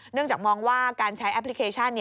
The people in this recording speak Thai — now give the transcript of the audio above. จากมองว่าการใช้แอปพลิเคชัน